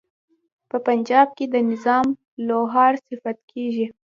په پنجاب کې د نظام لوهار صفت کیږي.